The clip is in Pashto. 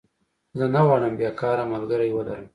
زه نه غواړم بيکاره ملګری ولرم